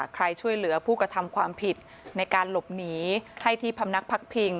ช่วยเหลือผู้กระทำความผิดในการหลบหนีให้ที่พำนักพักพิง